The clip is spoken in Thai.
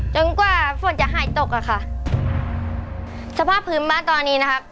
กว่าฝนจะหายตกอะค่ะสภาพพื้นบ้านตอนนี้นะครับ